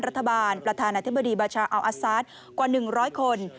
ประธานาธิบดีบาชาอัลอาซาสกว่า๑๐๐คน